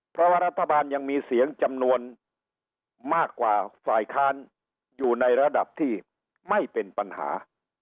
เพราะว่ารัฐบาลยังมีเสียงจำนวนมากกว่าฝ่ายค้านอยู่ในระดับที่ไม่เป็นปัญหา